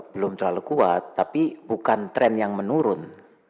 belum terlalu kuat tapi bukan tren yang menurun